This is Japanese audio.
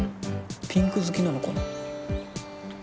ピンク好きなのかな？